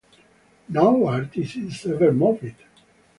No artist is ever morbid.